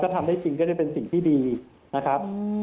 ทำได้จริงก็ได้เป็นสิ่งที่ดีนะครับ